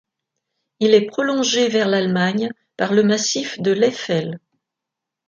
Il est prolongé vers l'Allemagne par le massif de l'Eifel.